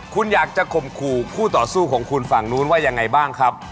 คุณอยากจะข่มขู่คู่ต่อสู้ของคุณฝั่งนู้นว่ายังไงบ้างครับ